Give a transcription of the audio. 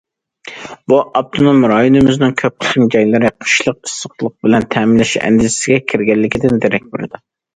بۇ، ئاپتونوم رايونىمىزنىڭ كۆپ قىسىم جايلىرى قىشلىق ئىسسىقلىق بىلەن تەمىنلەش ئەندىزىسىگە كىرگەنلىكىدىن دېرەك بېرىدۇ.